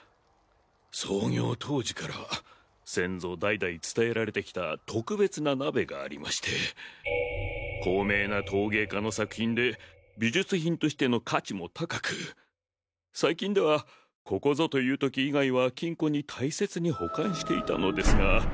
創業当時から先祖代々伝えられてきた特別な鍋がありまして高名な陶芸家の作品で美術品としての価値も高く最近ではここぞという時以外は金庫に大切に保管していたのですが。